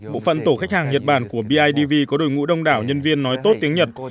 bộ phận tổ khách hàng nhật bản của bidv có đội ngũ đông đảo nhân viên nói tốt tiếng nhật